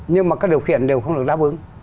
nhưng mà các điều kiện đều không được đáp ứng